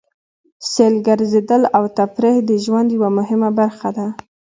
سیل، ګرځېدل او تفرېح د ژوند یوه مهمه برخه ده.